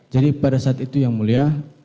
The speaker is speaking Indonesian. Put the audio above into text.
jadi pada saat itu yang mulia